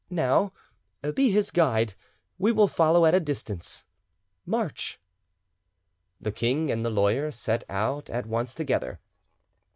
Now, be his guide—we will follow at a distance. March!" The king and the lawyer set out at once together.